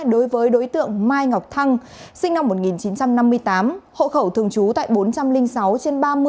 đối với đối tượng mai ngọc thăng sinh năm một nghìn chín trăm năm mươi tám hộ khẩu thường trú tại bốn trăm linh sáu trên ba mươi